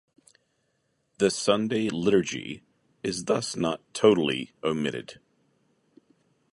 The Sunday liturgy is thus not totally omitted.